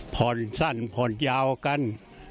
ผ่อนสั้นผ่อนยาวกัน